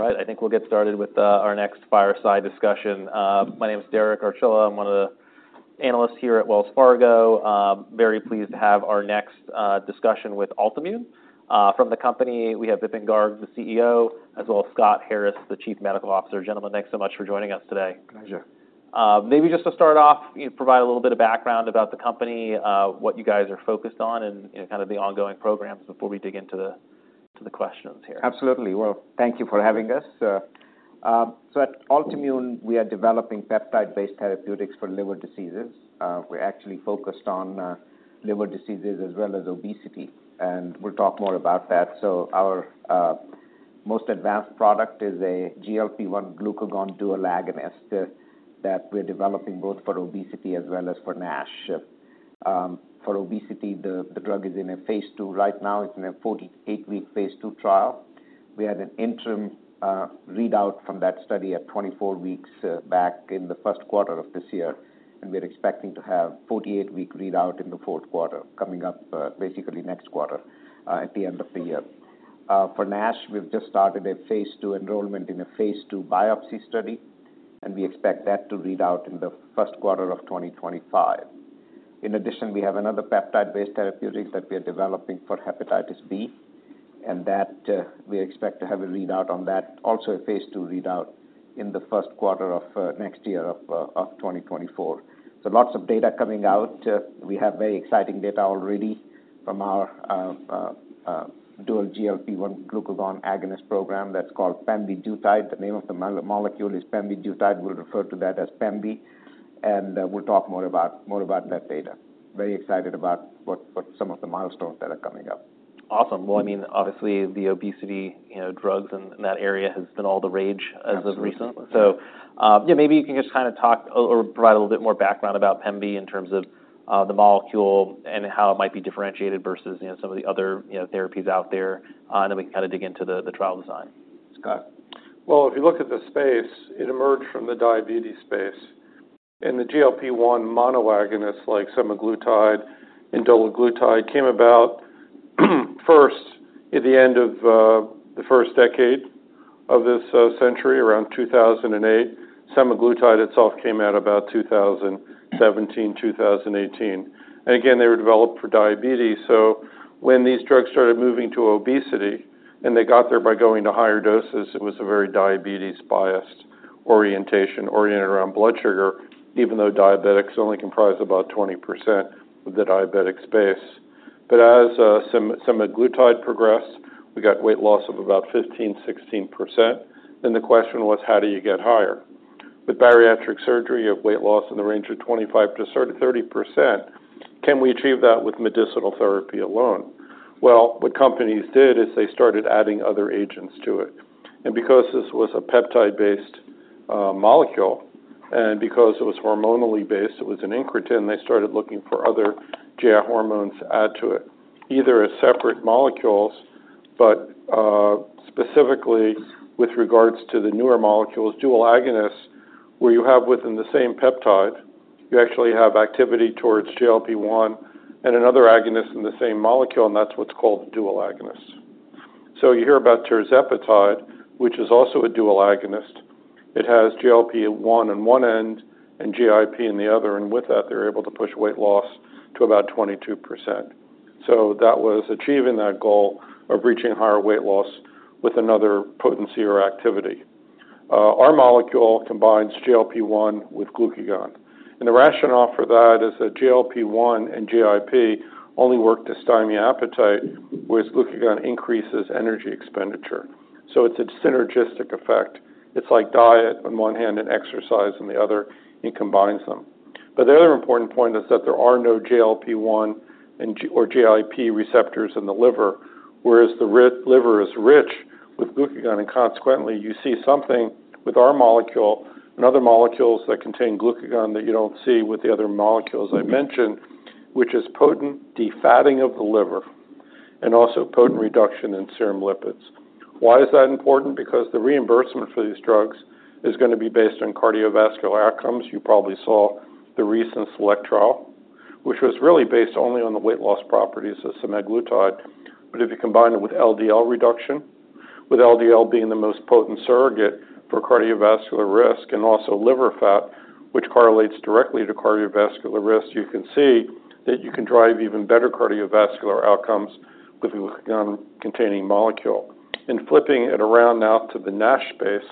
All right, I think we'll get started with our next fireside discussion. My name is Derek Archila. I'm one of the analysts here at Wells Fargo. Very pleased to have our next discussion with Altimmune. From the company, we have Vipin Garg, the CEO, as well as Scott Harris, the Chief Medical Officer. Gentlemen, thanks so much for joining us today. Pleasure. Maybe just to start off, you know, provide a little bit of background about the company, what you guys are focused on and, you know, kind of the ongoing programs before we dig into the questions here. Absolutely. Well, thank you for having us. So at Altimmune, we are developing peptide-based therapeutics for liver diseases. We're actually focused on liver diseases as well as obesity, and we'll talk more about that. So our most advanced product is a GLP-1 glucagon dual agonist that we're developing both for obesity as well as for NASH. For obesity, the drug is in a phase II. Right now, it's in a 48-week phase II trial. We had an interim readout from that study at 24 weeks back in the first quarter of this year, and we're expecting to have 48-week readout in the fourth quarter, coming up, basically next quarter, at the end of the year. For NASH, we've just started a phase II enrollment in a phase II biopsy study, and we expect that to read out in the first quarter of 2025. In addition, we have another peptide-based therapeutics that we are developing for Hepatitis B, and that, we expect to have a readout on that, also a phase II readout, in the first quarter of next year, of twenty twenty-four. So lots of data coming out. We have very exciting data already from our dual GLP-1 glucagon agonist program that's called pemvidutide. The name of the molecule is pemvidutide. We'll refer to that as Pemvi, and we'll talk more about that data. Very excited about what some of the milestones that are coming up. Awesome. Well, I mean, obviously, the obesity, you know, drugs in that area has been all the rage- Absolutely - as of recently. So, yeah, maybe you can just kind of talk or provide a little bit more background about Pemvi in terms of the molecule and how it might be differentiated versus, you know, some of the other, you know, therapies out there, and then we can kind of dig into the trial design. Scott? Well, if you look at the space, it emerged from the diabetes space, and the GLP-1 monoagonist, like semaglutide and dulaglutide, came about first at the end of the first decade of this century, around 2008. Semaglutide itself came out about 2017, 2018. And again, they were developed for diabetes. So when these drugs started moving to obesity, and they got there by going to higher doses, it was a very diabetes-biased orientation, oriented around blood sugar, even though diabetics only comprise about 20% of the diabetic space. But as semaglutide progressed, we got weight loss of about 15%-16%, and the question was: How do you get higher? With bariatric surgery, you have weight loss in the range of 25%-30%. Can we achieve that with medicinal therapy alone? Well, what companies did is they started adding other agents to it. And because this was a peptide-based molecule, and because it was hormonally based, it was an incretin, they started looking for other GI hormones to add to it, either as separate molecules, but specifically with regards to the newer molecules, dual agonists, where you have within the same peptide, you actually have activity towards GLP-1 and another agonist in the same molecule, and that's what's called dual agonist. So you hear about tirzepatide, which is also a dual agonist. It has GLP-1 on one end and GIP on the other, and with that, they're able to push weight loss to about 22%. So that was achieving that goal of reaching higher weight loss with another potency or activity. Our molecule combines GLP-1 with glucagon, and the rationale for that is that GLP-1 and GIP only work to stymie appetite, whereas glucagon increases energy expenditure. So it's a synergistic effect. It's like diet on one hand and exercise on the other and combines them. But the other important point is that there are no GLP-1 and GIP receptors in the liver, whereas the liver is rich with glucagon, and consequently, you see something with our molecule and other molecules that contain glucagon that you don't see with the other molecules I mentioned- Mm-hmm... which is potent defatting of the liver and also potent reduction in serum lipids. Why is that important? Because the reimbursement for these drugs is gonna be based on cardiovascular outcomes. You probably saw the recent SELECT trial, which was really based only on the weight loss properties of semaglutide. But if you combine it with LDL reduction, with LDL being the most potent surrogate for cardiovascular risk, and also liver fat, which correlates directly to cardiovascular risk, you can see that you can drive even better cardiovascular outcomes with a glucagon-containing molecule. And flipping it around now to the NASH space,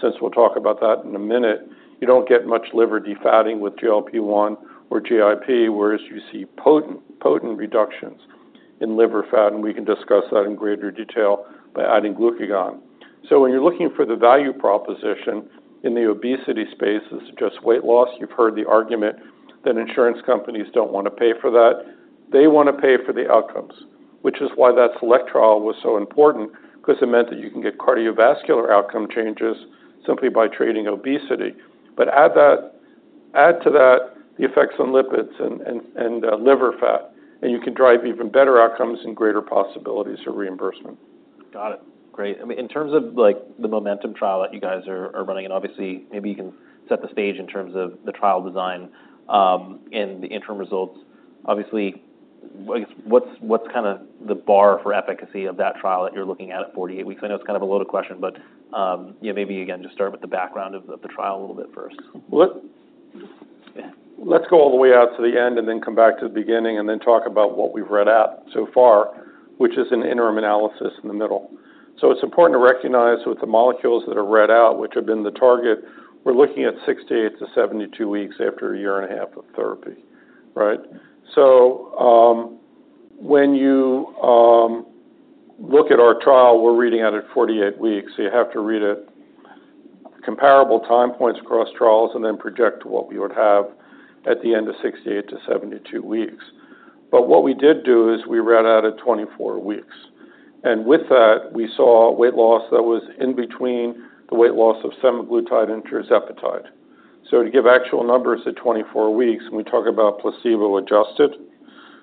since we'll talk about that in a minute, you don't get much liver defatting with GLP-1 or GIP, whereas you see potent, potent reductions in liver fat, and we can discuss that in greater detail, by adding glucagon. So when you're looking for the value proposition in the obesity space, it's just weight loss. You've heard the argument that insurance companies don't want to pay for that. They want to pay for the outcomes, which is why that SELECT trial was so important, because it meant that you can get cardiovascular outcome changes simply by treating obesity. But add to that, the effects on lipids and liver fat, and you can drive even better outcomes and greater possibilities for reimbursement. Got it. Great. I mean, in terms of, like, the MOMENTUM trial that you guys are running, and obviously, maybe you can set the stage in terms of the trial design, and the interim results. Obviously, I guess, what's kind of the bar for efficacy of that trial that you're looking at at 48 weeks? I know it's kind of a loaded question, but, yeah, maybe, again, just start with the background of the, the trial a little bit first. Well, let's go all the way out to the end and then come back to the beginning, and then talk about what we've read out so far, which is an interim analysis in the middle. So it's important to recognize with the molecules that are read out, which have been the target, we're looking at 68-72 weeks after a year and a half of therapy, right? So, when you look at our trial, we're reading it at 48 weeks. So you have to read it comparable time points across trials and then project what we would have at the end of 68-72 weeks. But what we did do is we read out at 24 weeks, and with that, we saw weight loss that was in between the weight loss of semaglutide and tirzepatide. So to give actual numbers at 24 weeks, when we talk about placebo-adjusted,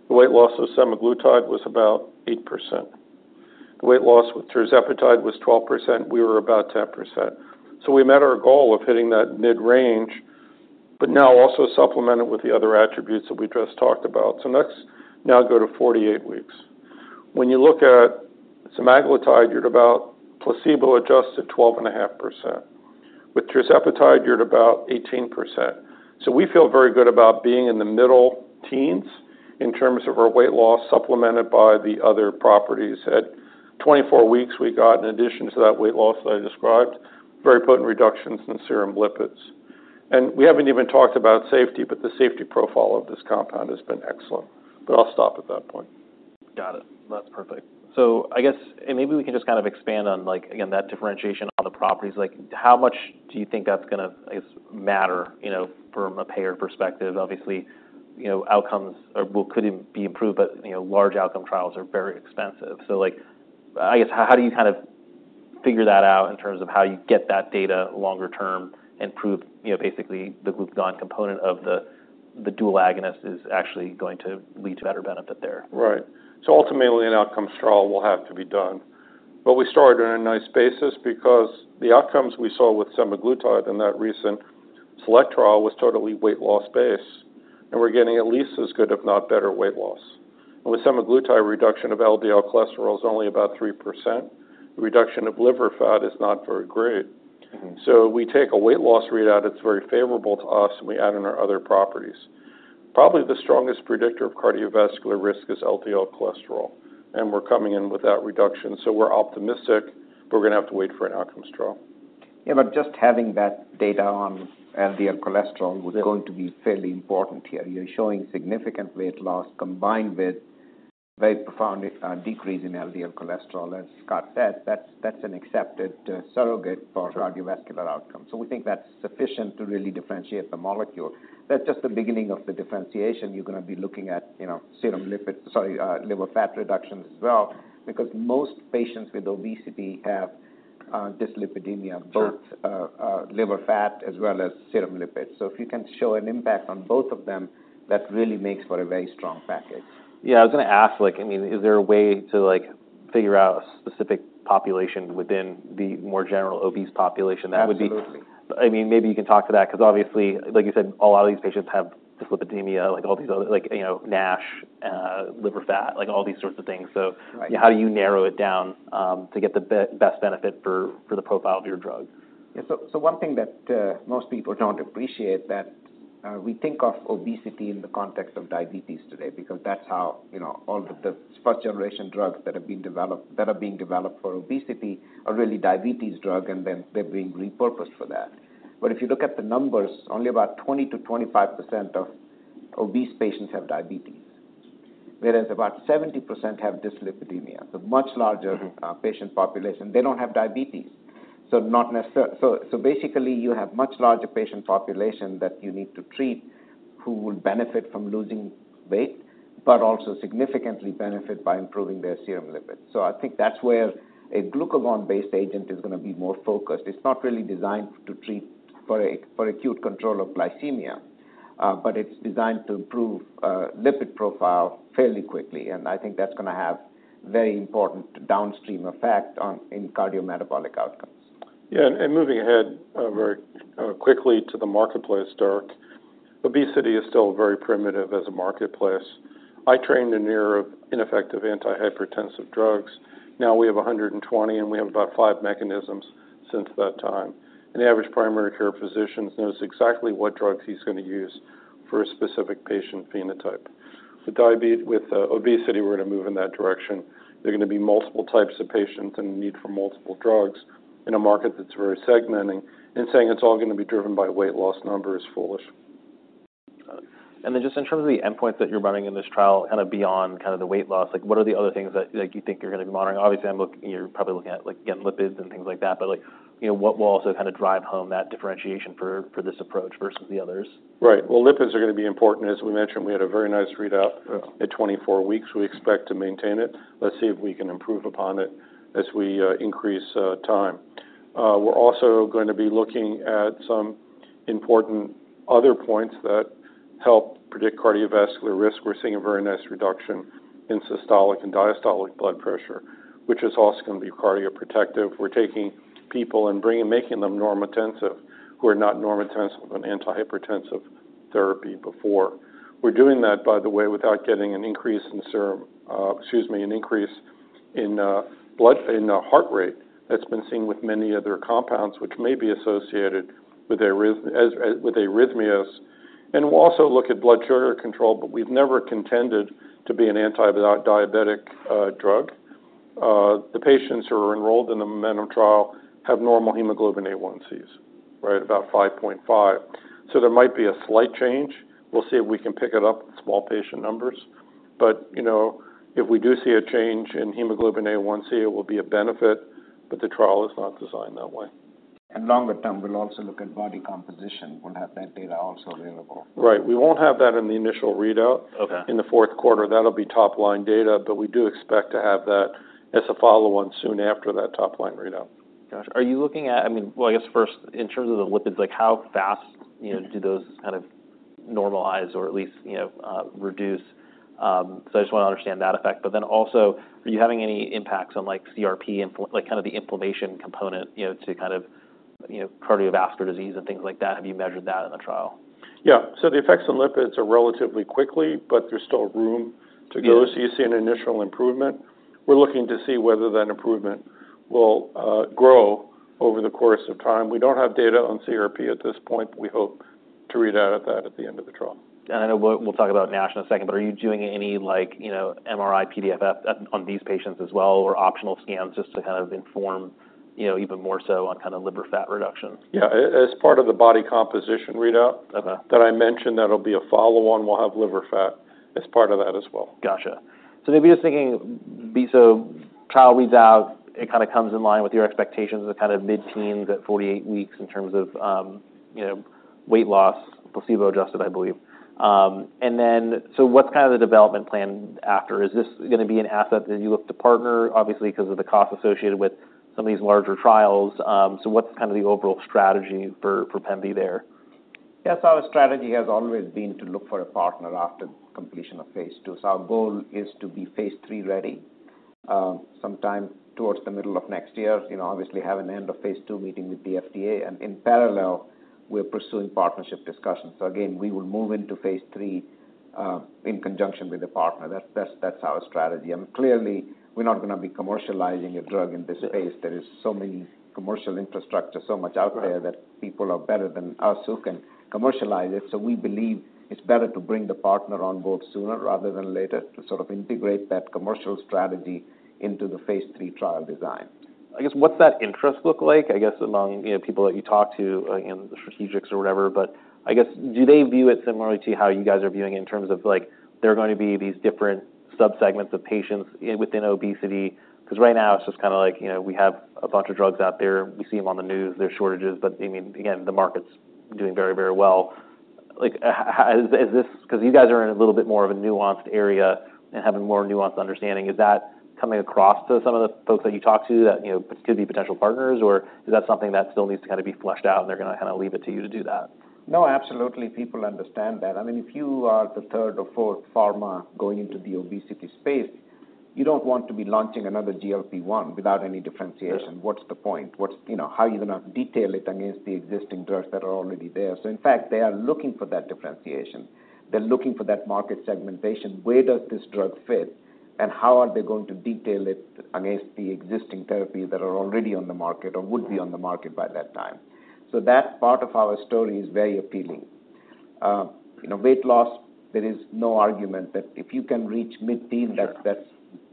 the weight loss of semaglutide was about 8%. The weight loss with tirzepatide was 12%, we were about 10%. So we met our goal of hitting that mid-range, but now also supplemented with the other attributes that we just talked about. So let's now go to 48 weeks. When you look at semaglutide, you're at about placebo-adjusted 12.5%. With tirzepatide, you're at about 18%. So we feel very good about being in the middle teens in terms of our weight loss, supplemented by the other properties. At 24 weeks, we got, in addition to that weight loss that I described, very potent reductions in serum lipids. And we haven't even talked about safety, but the safety profile of this compound has been excellent. But I'll stop at that point. Got it. That's perfect. So I guess, and maybe we can just kind of expand on, like, again, that differentiation on the properties. Like, how much do you think that's gonna, I guess, matter, you know, from a payer perspective? Obviously, you know, outcomes or well, could even be improved, but, you know, large outcome trials are very expensive. So like, I guess, how do you kind of figure that out in terms of how you get that data longer term and prove, you know, basically, the glucagon component of the, the dual agonist is actually going to lead to better benefit there? Right. So ultimately, an outcomes trial will have to be done. But we started on a nice basis because the outcomes we saw with semaglutide in that recent SELECT trial was totally weight loss-based, and we're getting at least as good, if not better, weight loss. And with semaglutide, reduction of LDL cholesterol is only about 3%. The reduction of liver fat is not very great. Mm-hmm. If we take a weight loss readout, it's very favorable to us, and we add in our other properties. Probably the strongest predictor of cardiovascular risk is LDL cholesterol, and we're coming in with that reduction, so we're optimistic, but we're gonna have to wait for an outcomes trial. Yeah, but just having that data on LDL cholesterol is going to be fairly important here. You're showing significant weight loss combined with very profound decrease in LDL cholesterol. As Scott said, that's an accepted surrogate- Sure - for cardiovascular outcomes. So we think that's sufficient to really differentiate the molecule. That's just the beginning of the differentiation. You're gonna be looking at, you know, serum lipids - sorry, liver fat reductions as well, because most patients with obesity have, dyslipidemia- Sure... both, liver fat as well as serum lipids. So if you can show an impact on both of them, that really makes for a very strong package. Yeah, I was gonna ask, like, I mean, is there a way to, like, figure out a specific population within the more general obese population that would be- Absolutely. I mean, maybe you can talk to that, 'cause obviously, like you said, a lot of these patients have dyslipidemia, like, all these other, like, you know, NASH, liver fat, like, all these sorts of things, so- Right... how do you narrow it down, to get the best benefit for the profile of your drug? Yeah. So, so one thing that, most people don't appreciate that, we think of obesity in the context of diabetes today, because that's how, you know, all the first-generation drugs that have been developed- that are being developed for obesity are really diabetes drug, and then they're being repurposed for that. But if you look at the numbers, only about 20%-25% of obese patients have diabetes, whereas about 70% have dyslipidemia, the much larger- Mm-hmm... patient population. They don't have diabetes, so not necessarily— So basically, you have much larger patient population that you need to treat, who will benefit from losing weight, but also significantly benefit by improving their serum lipids. So I think that's where a glucagon-based agent is gonna be more focused. It's not really designed to treat for a, for acute control of glycemia, but it's designed to improve lipid profile fairly quickly, and I think that's gonna have very important downstream effect on, in cardiometabolic outcomes. Yeah, and moving ahead, very quickly to the marketplace, Derek. Obesity is still very primitive as a marketplace. I trained in era of ineffective antihypertensive drugs. Now we have 120, and we have about five mechanisms since that time. An average primary care physician knows exactly what drugs he's gonna use for a specific patient phenotype. With obesity, we're gonna move in that direction. There are gonna be multiple types of patients and the need for multiple drugs in a market that's very segmenting and saying it's all gonna be driven by weight loss number is foolish. Got it. And then, just in terms of the endpoints that you're running in this trial, kind of beyond kind of the weight loss, like, what are the other things that, like, you think you're gonna be monitoring? Obviously, you're probably looking at, like, again, lipids and things like that, but like, you know, what will also kind of drive home that differentiation for, for this approach versus the others? Right. Well, lipids are gonna be important. As we mentioned, we had a very nice readout- Yeah... at 24 weeks. We expect to maintain it. Let's see if we can improve upon it as we increase time. We're also gonna be looking at some important other points that help predict cardiovascular risk. We're seeing a very nice reduction in systolic and diastolic blood pressure, which is also gonna be cardioprotective. We're taking people and bringing, making them normotensive, who are not normotensive on antihypertensive therapy before. We're doing that, by the way, without getting an increase in heart rate that's been seen with many other compounds, which may be associated with arrhythmias. And we'll also look at blood sugar control, but we've never contended to be an anti-diabetic drug. The patients who are enrolled in the MOMENTUM trial have normal hemoglobin A1cs, right, about 5.5. So there might be a slight change. We'll see if we can pick it up in small patient numbers. But, you know, if we do see a change in hemoglobin A1c, it will be a benefit, but the trial is not designed that way. Longer term, we'll also look at body composition. We'll have that data also available. Right. We won't have that in the initial readout- Okay in the fourth quarter. That'll be top-line data, but we do expect to have that as a follow-on soon after that top-line readout. Got you. Are you looking at... I mean, well, I guess first, in terms of the lipids, like, how fast, you know, do those kind of normalize or at least, you know, reduce? So I just wanna understand that effect. But then also, are you having any impacts on, like, CRP and like, kind of the inflammation component, you know, to kind of, you know, cardiovascular disease and things like that? Have you measured that in the trial? Yeah. So the effects on lipids are relatively quickly, but there's still room to go. Yeah. You see an initial improvement. We're looking to see whether that improvement will grow over the course of time. We don't have data on CRP at this point. We hope to read out at that at the end of the trial. I know we'll talk about NASH in a second, but are you doing any, like, you know, MRI-PDFF on these patients as well, or optional scans just to kind of inform, you know, even more so on kind of liver fat reduction? Yeah. As part of the body composition readout- Okay... that I mentioned, that'll be a follow-on. We'll have liver fat as part of that as well. Gotcha. So then just thinking, so trial reads out, it kinda comes in line with your expectations of kind of mid-teens at 48 weeks in terms of, you know, weight loss, placebo-adjusted, I believe. And then, so what's kind of the development plan after? Is this gonna be an asset that you look to partner, obviously, 'cause of the cost associated with some of these larger trials? So what's kind of the overall strategy for, for Pemvi there? Yes, our strategy has always been to look for a partner after completion of phase II. So our goal is to be phase III ready, sometime towards the middle of next year. You know, obviously, have an end of phase II meeting with the FDA, and in parallel, we're pursuing partnership discussions. So again, we will move into phase III, in conjunction with the partner. That's, that's, that's our strategy. And clearly, we're not gonna be commercializing a drug in this space. Yeah. There is so many commercial infrastructure, so much out there- Right that people are better than us who can commercialize it. So we believe it's better to bring the partner on board sooner rather than later, to sort of integrate that commercial strategy into the phase III trial design. I guess, what's that interest look like? I guess, among, you know, people that you talk to, again, the strategics or whatever, but I guess, do they view it similarly to how you guys are viewing it, in terms of, like, there are gonna be these different subsegments of patients within obesity? 'Cause right now, it's just kinda like, you know, we have a bunch of drugs out there. We see them on the news, there's shortages, but, I mean, again, the market's doing very, very well. Like, is this-- 'cause you guys are in a little bit more of a nuanced area and having a more nuanced understanding, is that coming across to some of the folks that you talk to, that, you know, could be potential partners, or is that something that still needs to kinda be fleshed out, and they're gonna kinda leave it to you to do that? No, absolutely, people understand that. I mean, if you are the third or fourth pharma going into the obesity space, you don't want to be launching another GLP-1 without any differentiation. Yeah. What's the point? What's... You know, how are you gonna detail it against the existing drugs that are already there? So in fact, they are looking for that differentiation. They're looking for that market segmentation. Where does this drug fit, and how are they going to detail it against the existing therapies that are already on the market or would be on the market by that time? So that part of our story is very appealing. You know, weight loss, there is no argument that if you can reach mid-teen- Sure...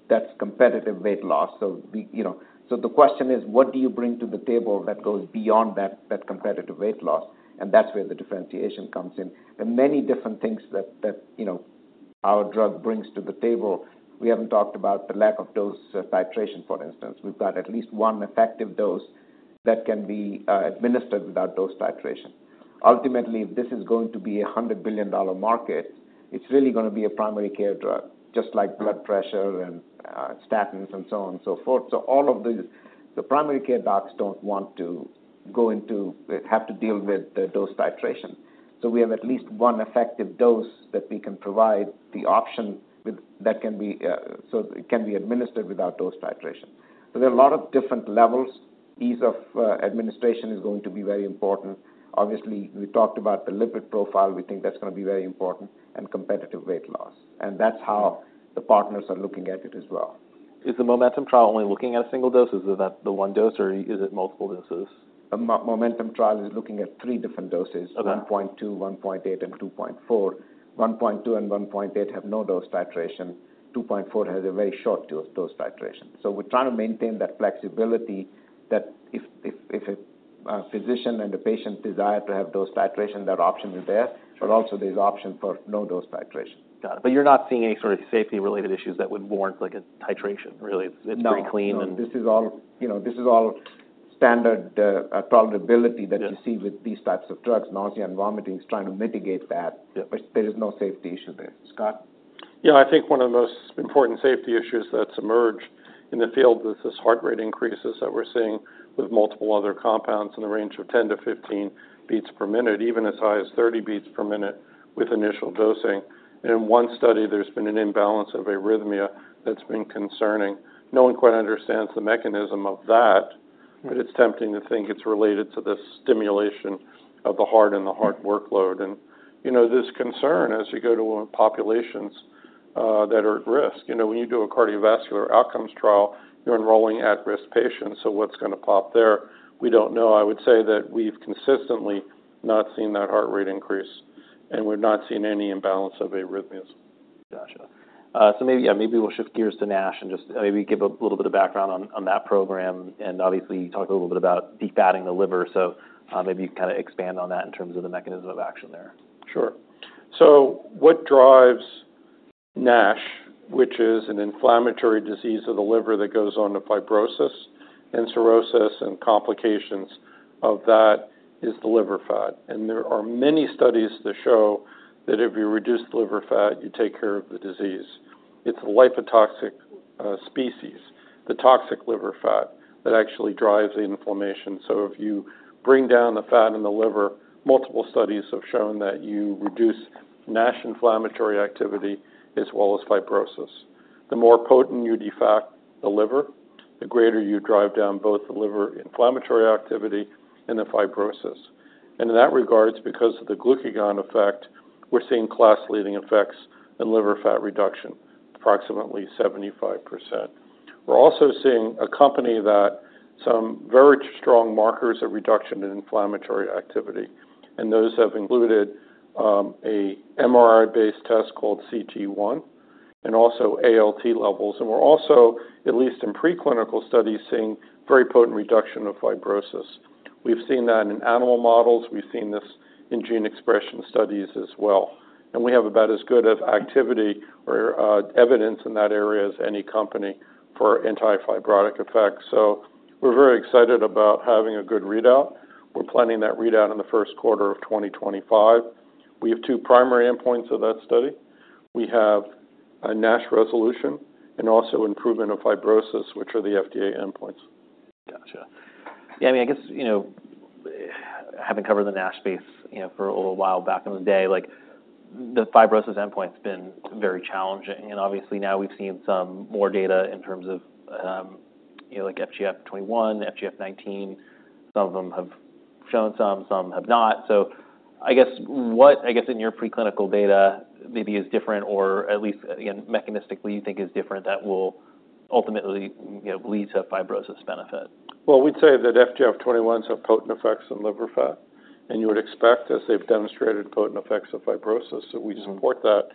that's competitive weight loss. So we, you know— So the question is: What do you bring to the table that goes beyond that competitive weight loss? And that's where the differentiation comes in. There are many different things that, you know, our drug brings to the table. We haven't talked about the lack of dose titration, for instance. We've got at least one effective dose that can be administered without dose titration. Ultimately, this is going to be a $100 billion market. It's really gonna be a primary care drug, just like blood pressure and statins and so on and so forth. So all of these, the primary care docs don't want to go into—have to deal with the dose titration. We have at least one effective dose that we can provide the option with that can be administered without dose titration. So there are a lot of different levels. Ease of administration is going to be very important. Obviously, we talked about the lipid profile. We think that's gonna be very important, and competitive weight loss, and that's how the partners are looking at it as well. Is the MOMENTUM trial only looking at a single dose, or is that the one dose, or is it multiple doses? MOMENTUM trial is looking at three different doses. Okay. 1.2, 1.8, and 2.4. 1.2 and 1.8 have no dose titration. 2.4 has a very short dose titration. So we're trying to maintain that flexibility, that if a physician and a patient desire to have dose titration, that option is there- Sure... but also there's option for no dose titration. Got it. But you're not seeing any sort of safety-related issues that would warrant, like, a titration, really? No. It's very clean and- No, this is all, you know, this is all standard, tolerability- Yeah... that you see with these types of drugs, nausea and vomiting, is trying to mitigate that. Yeah. But there is no safety issue there. Scott? Yeah, I think one of the most important safety issues that's emerged in the field is this heart rate increases that we're seeing with multiple other compounds in the range of 10-15 beats per minute, even as high as 30 beats per minute with initial dosing. In one study, there's been an imbalance of arrhythmia that's been concerning. No one quite understands the mechanism of that. But it's tempting to think it's related to the stimulation of the heart and the heart workload. And, you know, this concern as you go to populations that are at risk, you know, when you do a cardiovascular outcomes trial, you're enrolling at-risk patients. So what's gonna pop there? We don't know. I would say that we've consistently not seen that heart rate increase, and we've not seen any imbalance of arrhythmias. Gotcha. So maybe, yeah, maybe we'll shift gears to NASH and just maybe give a little bit of background on that program, and obviously, talk a little bit about defatting the liver. So maybe you kind of expand on that in terms of the mechanism of action there. Sure. So what drives NASH, which is an inflammatory disease of the liver that goes on to fibrosis and cirrhosis, and complications of that, is the liver fat. There are many studies that show that if you reduce the liver fat, you take care of the disease. It's a lipotoxic species, the toxic liver fat, that actually drives the inflammation. So if you bring down the fat in the liver, multiple studies have shown that you reduce NASH inflammatory activity as well as fibrosis. The more potent you defat the liver, the greater you drive down both the liver inflammatory activity and the fibrosis. In that regards, because of the glucagon effect, we're seeing class-leading effects in liver fat reduction, approximately 75%. We're also seeing accompany that some very strong markers of reduction in inflammatory activity, and those have included, a MRI-based test called cT1 and also ALT levels. We're also, at least in preclinical studies, seeing very potent reduction of fibrosis. We've seen that in animal models. We've seen this in gene expression studies as well, and we have about as good of activity or, evidence in that area as any company for anti-fibrotic effects. We're very excited about having a good readout. We're planning that readout in the first quarter of 2025. We have two primary endpoints of that study. We have a NASH resolution and also improvement of fibrosis, which are the FDA endpoints. Gotcha. Yeah, I mean, I guess, you know, having covered the NASH space, you know, for a little while back in the day, like, the fibrosis endpoint's been very challenging, and obviously, now we've seen some more data in terms of, you know, like FGF21, FGF19. Some of them have shown some, some have not. So I guess, what, I guess, in your preclinical data maybe is different, or at least again, mechanistically, you think is different that will ultimately, you know, lead to fibrosis benefit? Well, we'd say that FGF21s have potent effects on liver fat, and you would expect, as they've demonstrated, potent effects of fibrosis. So we support that.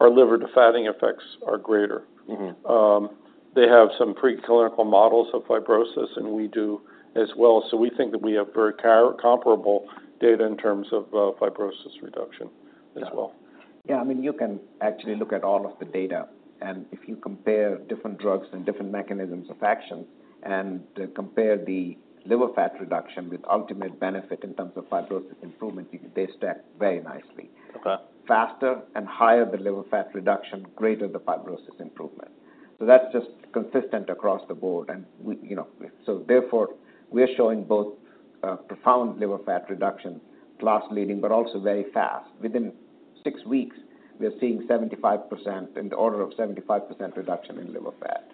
Our liver defatting effects are greater. Mm-hmm. They have some preclinical models of fibrosis, and we do as well. So we think that we have very comparable data in terms of, fibrosis reduction as well. Yeah, I mean, you can actually look at all of the data, and if you compare different drugs and different mechanisms of action and compare the liver fat reduction with ultimate benefit in terms of fibrosis improvement, they stack very nicely. Okay. Faster and higher the liver fat reduction, greater the fibrosis improvement. So that's just consistent across the board, and we, you know... So therefore, we are showing both, profound liver fat reduction, class-leading, but also very fast. Within six weeks, we are seeing 75%, in the order of 75% reduction in liver fat.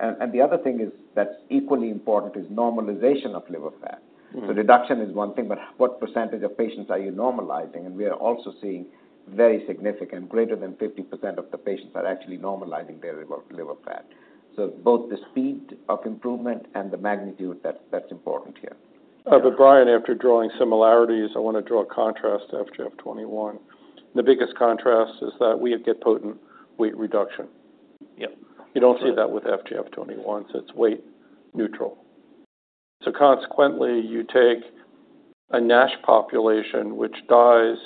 And, and the other thing is, that's equally important, is normalization of liver fat. Mm-hmm. So reduction is one thing, but what percentage of patients are you normalizing? And we are also seeing very significant, greater than 50% of the patients are actually normalizing their liver, liver fat. So both the speed of improvement and the magnitude, that's, that's important here. But Brian, after drawing similarities, I want to draw a contrast to FGF21. The biggest contrast is that we get potent weight reduction. Yeah. You don't see that with FGF21s. It's weight neutral. So consequently, you take a NASH population, which dies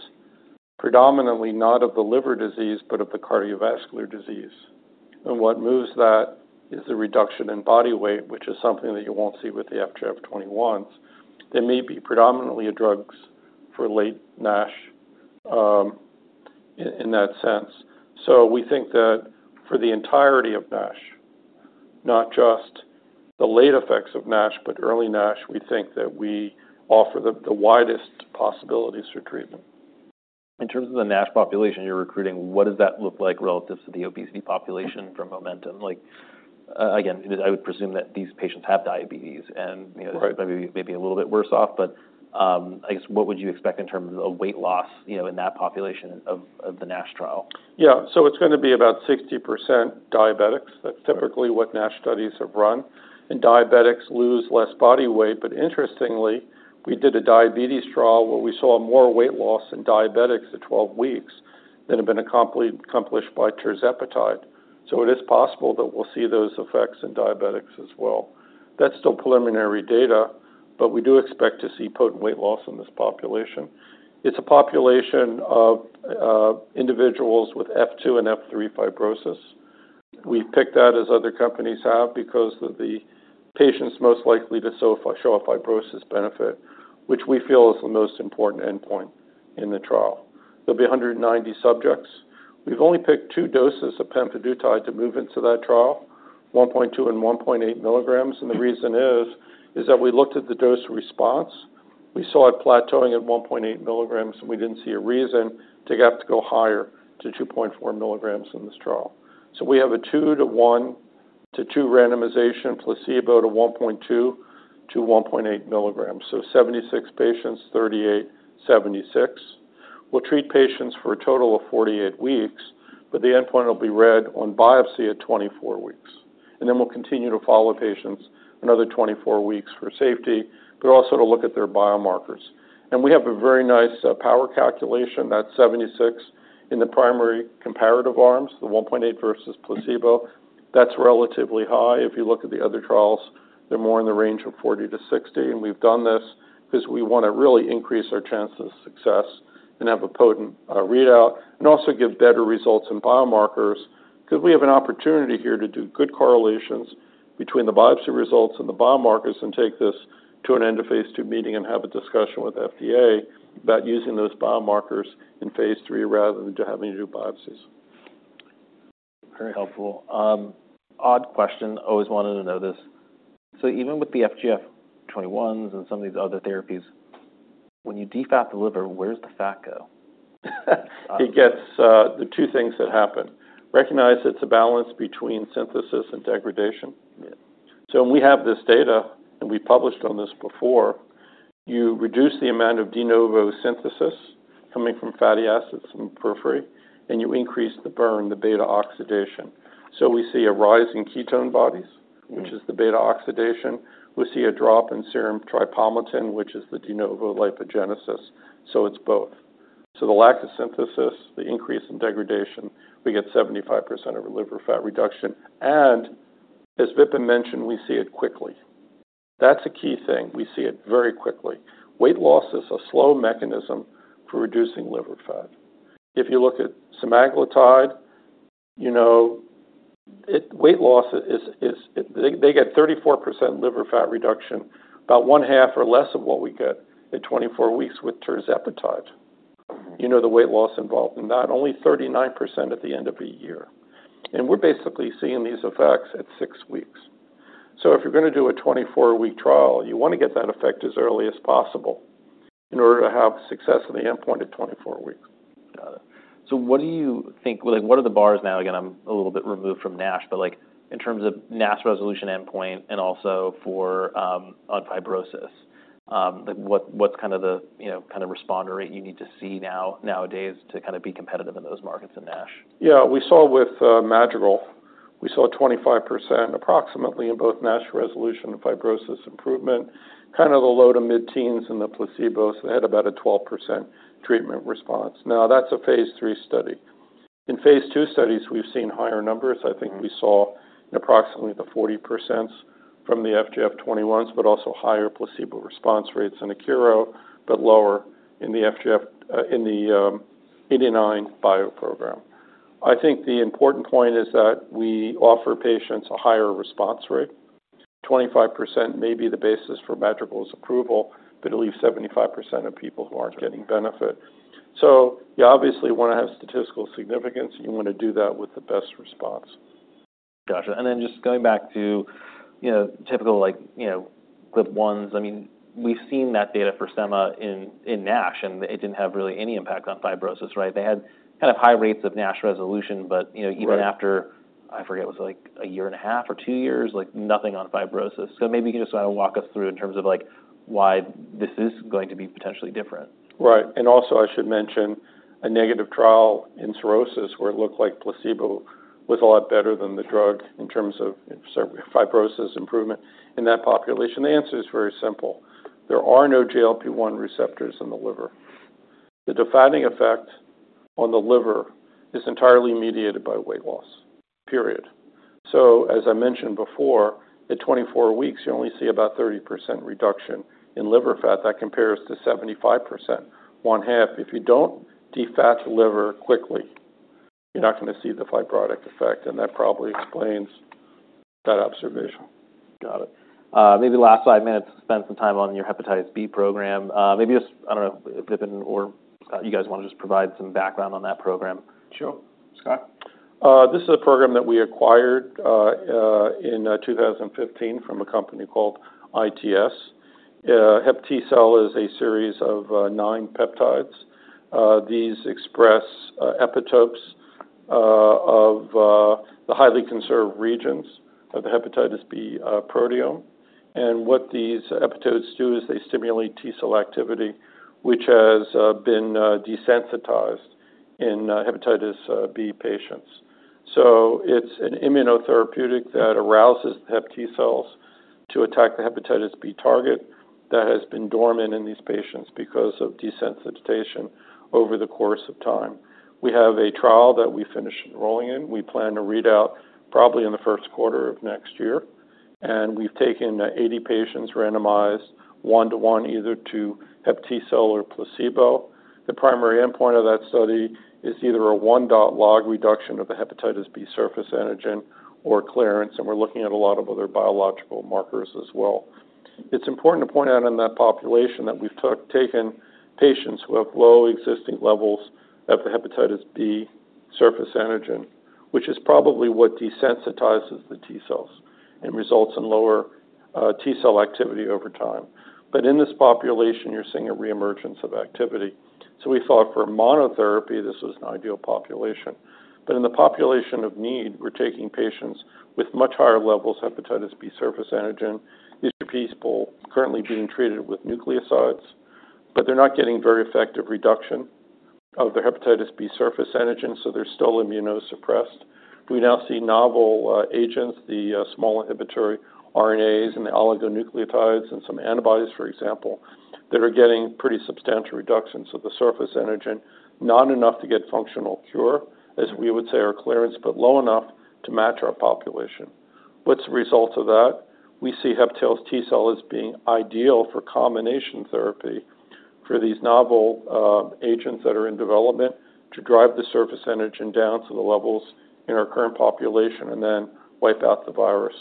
predominantly not of the liver disease, but of the cardiovascular disease, and what moves that is the reduction in body weight, which is something that you won't see with the FGF21s. They may be predominantly a drugs for late NASH, in that sense. So we think that for the entirety of NASH, not just the late effects of NASH, but early NASH, we think that we offer the widest possibilities for treatment. In terms of the NASH population you're recruiting, what does that look like relative to the obesity population for MOMENTUM? Like, again, I would presume that these patients have diabetes and, you know- Right... maybe, maybe a little bit worse off. But, I guess, what would you expect in terms of weight loss, you know, in that population of the NASH trial? Yeah. So it's gonna be about 60% diabetics. That's typically what NASH studies have run, and diabetics lose less body weight. But interestingly, we did a diabetes trial where we saw more weight loss in diabetics at 12 weeks than had been accomplished by tirzepatide. So it is possible that we'll see those effects in diabetics as well. That's still preliminary data, but we do expect to see potent weight loss in this population. It's a population of individuals with F2 and F3 fibrosis. We picked that, as other companies have, because of the patients most likely to so far show a fibrosis benefit, which we feel is the most important endpoint in the trial. There'll be 190 subjects. We've only picked two doses of pemvidutide to move into that trial, 1.2 and 1.8 milligrams, and the reason is, is that we looked at the dose response. We saw it plateauing at 1.8 milligrams, and we didn't see a reason to have to go higher to 2.4 milligrams in this trial. So we have a 2:1:2 randomization, placebo:1.2:1.8 milligrams. So 76 patients, 38, 76. We'll treat patients for a total of 48 weeks, but the endpoint will be read on biopsy at 24 weeks. Then we'll continue to follow patients another 24 weeks for safety, but also to look at their biomarkers. And we have a very nice power calculation. That's 76 in the primary comparative arms, the 1.8 versus placebo. That's relatively high. If you look at the other trials, they're more in the range of 40-60, and we've done this because we want to really increase our chances of success and have a potent readout, and also give better results in biomarkers. Because we have an opportunity here to do good correlations between the biopsy results and the biomarkers and take this to an end-of-phase II meeting and have a discussion with FDA about using those biomarkers in phase III, rather than to having to do biopsies. Very helpful. Odd question. Always wanted to know this. So even with the FGF21s and some of these other therapies, when you defat the liver, where does the fat go? It gets... There are two things that happen. Recognize it's a balance between synthesis and degradation. Yeah. So when we have this data, and we published on this before, you reduce the amount of de novo synthesis coming from fatty acids and periphery, and you increase the burn, the beta-oxidation. So we see a rise in ketone bodies. Mm-hmm. Which is the beta-oxidation. We see a drop in serum triacylglycerol, which is the de novo lipogenesis. So it's both. So the lack of synthesis, the increase in degradation, we get 75% of our liver fat reduction, and as Vipin mentioned, we see it quickly. That's a key thing. We see it very quickly. Weight loss is a slow mechanism for reducing liver fat. If you look at semaglutide, you know, it-- weight loss is, is-- they, they get 34% liver fat reduction, about one half or less of what we get at 24 weeks with tirzepatide. Mm-hmm. You know, the weight loss involved in that, only 39% at the end of a year. And we're basically seeing these effects at six weeks. So if you're going to do a 24-week trial, you want to get that effect as early as possible in order to have success in the endpoint at 24 weeks. Got it. So what do you think... Like, what are the bars now? Again, I'm a little bit removed from NASH, but, like, in terms of NASH resolution endpoint and also for, on fibrosis, like, what, what's kind of the, you know, kind of responder rate you need to see nowadays to kind of be competitive in those markets in NASH? Yeah, we saw with, Madrigal. We saw 25% approximately in both NASH resolution and fibrosis improvement, kind of the low to mid-teens in the placebos. They had about a 12% treatment response. Now, that's a phase III study. In phase II studies, we've seen higher numbers. Mm-hmm. I think we saw approximately the 40% from the FGF21s, but also higher placebo response rates in Akero, but lower in the FGF in the 89bio program. I think the important point is that we offer patients a higher response rate. 25% may be the basis for Madrigal's approval, but it leaves 75% of people who aren't getting benefit. So you obviously want to have statistical significance, and you want to do that with the best response. Got you. And then just going back to, you know, typical, like, you know, GLP-1s. I mean, we've seen that data for sema in NASH, and it didn't have really any impact on fibrosis, right? They had kind of high rates of NASH resolution, but, you know—Right... even after, I forget, it was, like, a year and a half or two years, like, nothing on fibrosis. So maybe you can just walk us through in terms of, like, why this is going to be potentially different. Right. And also, I should mention a negative trial in cirrhosis, where it looked like placebo was a lot better than the drug in terms of fibrosis improvement in that population. The answer is very simple: There are no GLP-1 receptors in the liver. The defatting effect on the liver is entirely mediated by weight loss, period. So, as I mentioned before, at 24 weeks, you only see about 30% reduction in liver fat. That compares to 75%, one half. If you don't defat the liver quickly, you're not going to see the fibrotic effect, and that probably explains that observation. Got it. Maybe the last five minutes, spend some time on your Hepatitis B program. Maybe just, I don't know, Vipin or, you guys want to just provide some background on that program? Sure. Scott? This is a program that we acquired in 2015 from a company called ITS. HepTcell is a series of nine peptides. These express epitopes of the highly conserved regions of the Hepatitis B proteome. And what these epitopes do is they stimulate T cell activity, which has been desensitized in Hepatitis B patients. So it's an immunotherapeutic that arouses the HepTcell to attack the Hepatitis B target that has been dormant in these patients because of desensitization over the course of time. We have a trial that we finished enrolling in. We plan to read out probably in the first quarter of next year, and we've taken 80 patients, randomized 1 to 1, either to HepTcell or placebo. The primary endpoint of that study is either a 1-log reduction of the Hepatitis B surface antigen or clearance, and we're looking at a lot of other biological markers as well. It's important to point out in that population that we've taken patients who have low existing levels of the Hepatitis B surface antigen, which is probably what desensitizes the T cells... and results in lower T-cell activity over time. But in this population, you're seeing a reemergence of activity. So we thought for monotherapy, this was an ideal population. But in the population of need, we're taking patients with much higher levels Hepatitis B surface antigen. These are people currently being treated with nucleosides, but they're not getting very effective reduction of the Hepatitis B surface antigen, so they're still immunosuppressed. We now see novel agents, the small interfering RNAs and the oligonucleotides, and some antibodies, for example, that are getting pretty substantial reductions of the surface antigen, not enough to get functional cure, as we would say, or clearance, but low enough to match our population. What's the result of that? We see HepTcell's T cell as being ideal for combination therapy for these novel agents that are in development, to drive the surface antigen down to the levels in our current population, and then wipe out the virus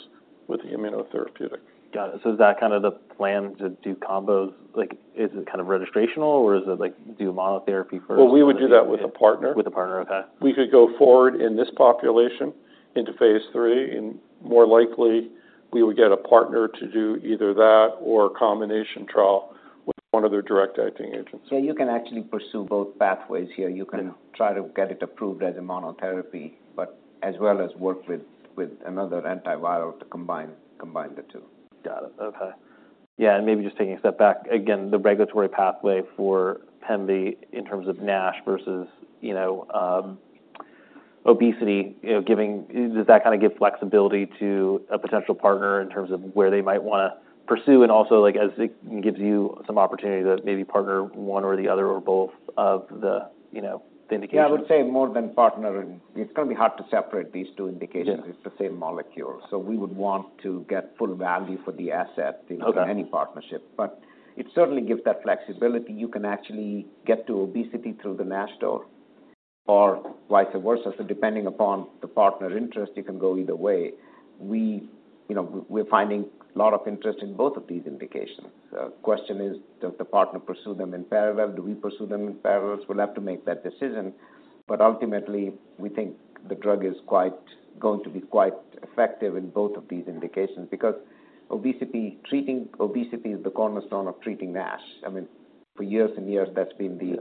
with the immunotherapeutic. Got it. So is that kind of the plan to do combos? Like, is it kind of registrational, or is it like do monotherapy first? Well, we would do that with a partner. With a partner, okay. We could go forward in this population into phase III, and more likely, we would get a partner to do either that or a combination trial with one of their direct acting agents. Yeah, you can actually pursue both pathways here. Yeah. You can try to get it approved as a monotherapy, but as well as work with another antiviral to combine the two. Got it. Okay. Yeah, and maybe just taking a step back, again, the regulatory pathway for Pemvi in terms of NASH versus, you know, obesity, you know, does that kind of give flexibility to a potential partner in terms of where they might wanna pursue? And also, like, as it gives you some opportunity to maybe partner one or the other or both of the, you know, the indications. Yeah, I would say more than partnering, it's going to be hard to separate these two indications. Yeah. It's the same molecule, so we would want to get full value for the asset- Okay... in any partnership. But it certainly gives that flexibility. You can actually get to obesity through the NASH door or vice versa. So depending upon the partner interest, you can go either way. We, you know, we're finding a lot of interest in both of these indications. Question is, does the partner pursue them in parallel? Do we pursue them in parallels? We'll have to make that decision, but ultimately, we think the drug is quite going to be quite effective in both of these indications. Because obesity, treating obesity is the cornerstone of treating NASH. I mean, for years and years, that's been the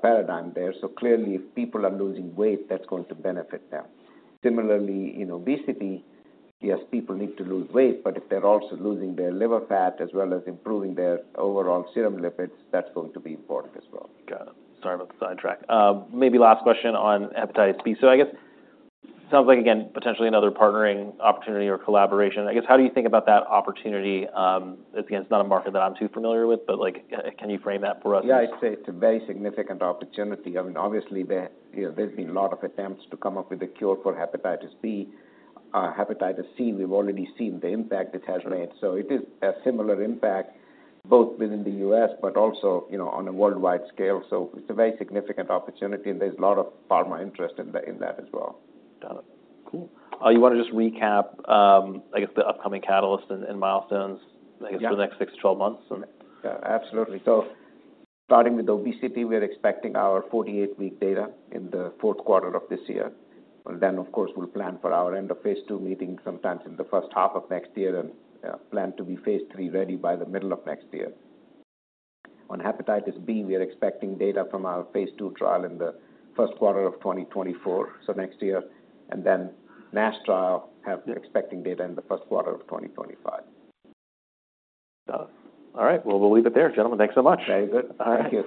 paradigm there. So clearly, if people are losing weight, that's going to benefit them. Similarly, in obesity, yes, people need to lose weight, but if they're also losing their liver fat as well as improving their overall serum lipids, that's going to be important as well. Got it. Sorry about the sidetrack. Maybe last question on Hepatitis B. So I guess, sounds like, again, potentially another partnering opportunity or collaboration. I guess, how do you think about that opportunity? Again, it's not a market that I'm too familiar with, but, like, can you frame that for us? Yeah, I'd say it's a very significant opportunity. I mean, obviously, there, you know, there's been a lot of attempts to come up with a cure for Hepatitis B. Hepatitis C, we've already seen the impact it has made. Right. It is a similar impact, both within the U.S., but also, you know, on a worldwide scale. It's a very significant opportunity, and there's a lot of pharma interest in that as well. Got it. Cool. You want to just recap, I guess, the upcoming catalyst and, and milestones- Yeah... I guess, for the next 6-12 months? Yeah, absolutely. So starting with obesity, we're expecting our 48-week data in the fourth quarter of this year. And then, of course, we'll plan for our end of phase II meeting sometime in the first half of next year and, plan to be phase III ready by the middle of next year. On Hepatitis B, we are expecting data from our phase II trial in the first quarter of 2024, so next year. And then NASH trial, we're expecting data in the first quarter of 2025. Got it. All right, well, we'll leave it there. Gentlemen, thanks so much. Very good. Thank you.